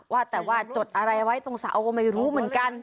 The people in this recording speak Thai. ว่าแต่ว่าจดอะไรไว้ตรงเสาก็ไม่รู้เหมือนกัน